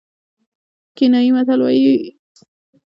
کینیايي متل وایي بریا ته نژدې یاست.